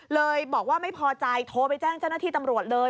เลยบอกว่าไม่พอใจโทรไปแจ้งเจ้าหน้าที่ตำรวจเลย